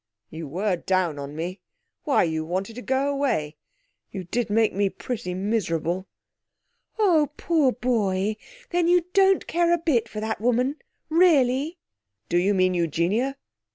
'You were down on me! Why, you wanted to go away! You did make me pretty miserable.' 'Oh, poor boy! Then you don't care a bit for that woman, really?' 'Do you mean Eugenia?